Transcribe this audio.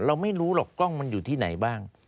เราไม่รู้หรอกกล้องมันอยู่ที่ไหนบ้าง